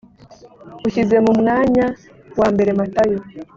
ushyize mu mwanya wa mbere matayo